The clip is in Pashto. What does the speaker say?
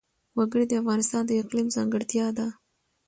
وګړي د افغانستان د اقلیم ځانګړتیا ده.